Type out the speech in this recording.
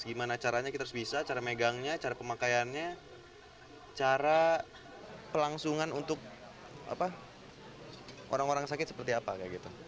gimana caranya kita harus bisa cara megangnya cara pemakaiannya cara pelangsungan untuk orang orang sakit seperti apa kayak gitu